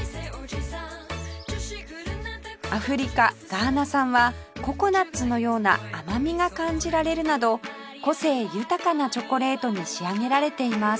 アフリカガーナ産はココナツのような甘みが感じられるなど個性豊かなチョコレートに仕上げられています